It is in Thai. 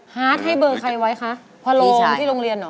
ฮาร์ดให้เบอร์ใครไว้คะพอลงที่โรงเรียนเหรอ